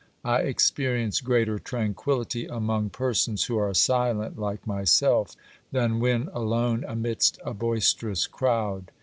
I experience greater tranquillity among persons who are silent like my self, than when alone amidst a boisterous crowd.